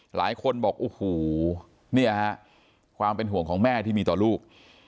หลายคนบอกโอ้โหเนี่ยฮะความเป็นห่วงของแม่ที่มีต่อลูก